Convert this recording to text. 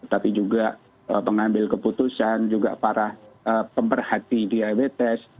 tapi juga pengambil keputusan juga para pemerhati diabetes